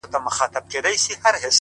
څه مسافره یمه خير دی ته مي ياد يې خو؛